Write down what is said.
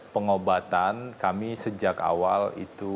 pengobatan kami sejak awal itu